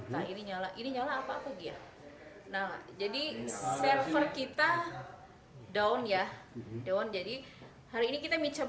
besar nah ini nyala ini nyala apa apa dia nah jadi server kita down ya dewan jadi hari ini kita